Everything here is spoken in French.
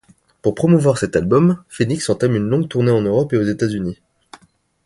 Pour promouvoir cet album, Phoenix entame une longue tournée en Europe et aux États-Unis.